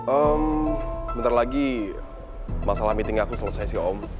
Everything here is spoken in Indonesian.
em bentar lagi masalah meeting aku selesai sih om